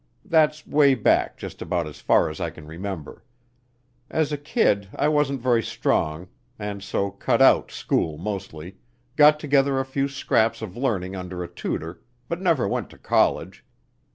That's way back just about as far as I can remember. As a kid I wasn't very strong, and so cut out school mostly got together a few scraps of learning under a tutor, but never went to college.